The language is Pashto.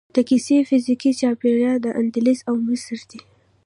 د کیسې فزیکي چاپیریال اندلس او مصر دی.